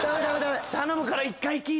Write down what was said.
頼むから１回聞いて。